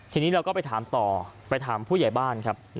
ทีนี้เราก็ไปถามต่อไปถามผู้ใหญ่บ้านครับ